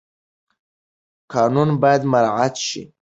قانون باید مراعات شي.